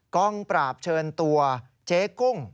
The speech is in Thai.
กองปราบเชิญตัวเจ๊กุ้ง